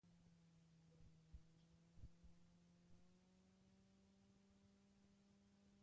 Pornoan ikusten dutena errealitatean kopiatzen saiatzen dira.